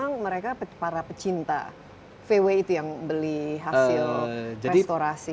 yang pertama itu memang mereka para pecinta vw itu yang beli hasil restorasi